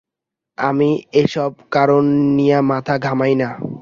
আমি এসব কারণ নিয়ে মাথা ঘামাই না।